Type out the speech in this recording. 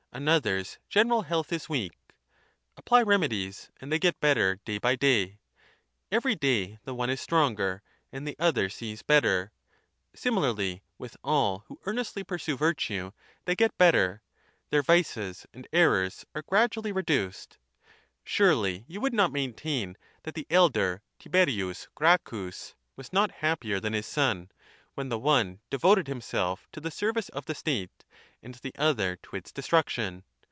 another's general health is weak ; apply remedies, and they get better day by day; every day the one is stronger and the other sees better; similarly with all who earnestly pursue virtue; they get better, their vices and errors are gradually reduced. Surely you would not maintain that the elder Tiberius Gracchus was not happier than his son, when the one devoted himself to the service of the state and the other to its destruction.